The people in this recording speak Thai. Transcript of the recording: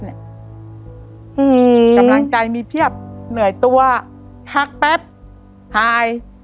กำลังใจมีเพียบเหนื่อยตัวพักแป๊บหาย